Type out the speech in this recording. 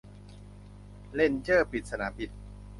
เรนเจอร์ปิดสนามบิน